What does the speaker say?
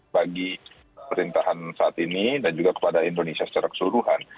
bagi perintahan saat ini dan juga kepada indonesia secara keseluruhan